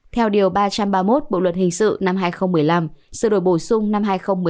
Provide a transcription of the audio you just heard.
theo điều ba trăm ba mươi một bộ luật hình sự năm hai nghìn một mươi năm sự đổi bổ sung năm hai nghìn một mươi năm